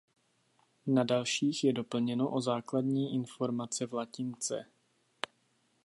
Na dalších je doplněno o základní informace v latince.